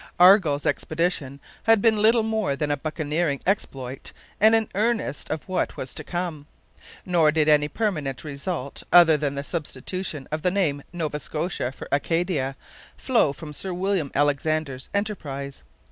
Argall's expedition had been little more than a buccaneering exploit and an earnest of what was to come. Nor did any permanent result, other than the substitution of the name Nova Scotia for Acadia, flow from Sir William Alexander's enterprise.